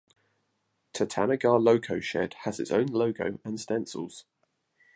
Tatanagar loco shed has its own logo and stencils.